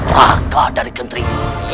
raka dari kentri ini